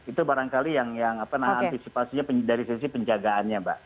itu barangkali yang antisipasinya dari sisi penjagaannya mbak